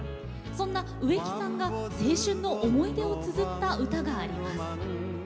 そんな植木さんが青春の思い出をつづった歌があります。